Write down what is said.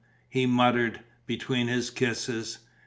he muttered, between his kisses.